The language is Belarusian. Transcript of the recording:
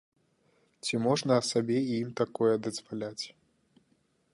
Ці можна сабе і ім такое дазваляць?